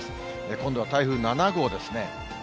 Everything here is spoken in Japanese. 今度は台風７号ですね。